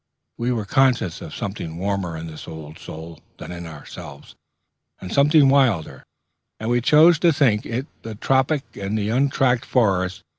We were conscious of something warmer in this old soul than in ourselves, and something wilder, and we chose to think it the tropic and the untracked forest.